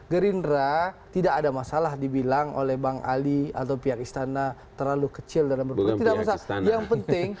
gerindra tidak ada masalah dibilang oleh bang ali atau pihak istana terlalu kecil dalam berpikir